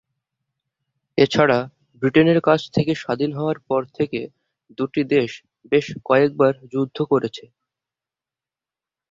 এছাড়া ব্রিটেনের কাছ থেকে স্বাধীন হওয়ার পর থেকে দুটি দেশ বেশ কয়েক বার যুদ্ধ করেছে।